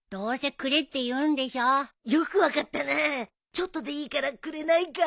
ちょっとでいいからくれないか？